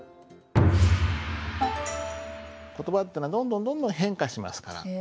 言葉っていうのはどんどんどんどん変化しますから。